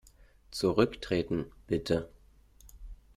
Zurücktreten, bitte!